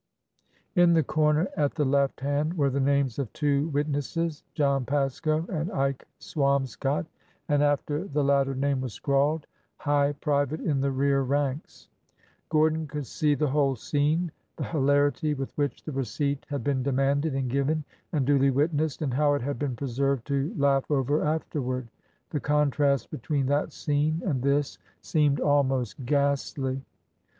In the corner at the left hand were the names of two witnesses, John Pasco and Ike Swamscott, and after the 340 ORDER NO. 11 latter name was scrawled : High private in the rear ranks." Gordon could see the whole scene— the hilarity with which the receipt had been demanded, and given, and duly witnessed,— and how it had been preserved to laugh over afterward. The contrast between that scene and this seemed almost ghastly.